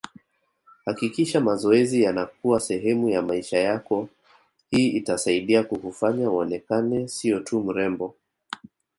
Hakikisha mazoezi yanakuwa sehemu ya maisha yako hii itasaidia kukufanya uonekane siyo tu mrembo